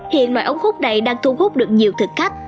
hiện loại ống hút này đang thu hút được nhiều thực khách